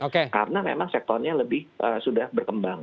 karena memang sektornya lebih sudah berkembang